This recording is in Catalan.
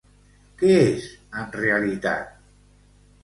Què és, en realitat?